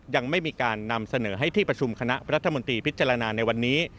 ยังไม่มีการนำเสนอให้ที่ประชุมคณะรัฐมนตรีพิจารณาในวันนี้